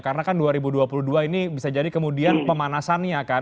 karena kan dua ribu dua puluh dua ini bisa jadi kemudian pemanasannya kan